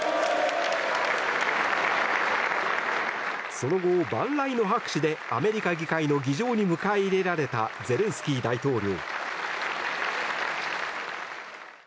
その後、万雷の拍手でアメリカ議会の議場に迎え入れられたゼレンスキー大統領。